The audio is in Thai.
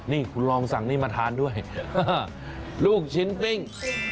นี่คุณลองสั่งนี่มาทานด้วยลูกชิ้นปิ้ง